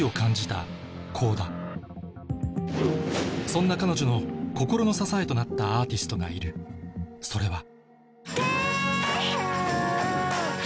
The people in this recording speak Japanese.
そんな彼女の心の支えとなったアーティストがいるそれは